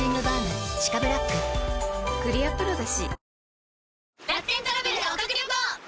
クリアプロだＣ。